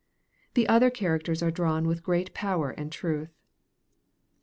The other characters are drawn with great power and truth.